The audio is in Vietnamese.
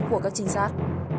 của các trinh sát